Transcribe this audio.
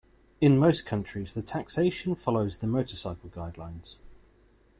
In most countries the taxation follows the motorcycle guidelines.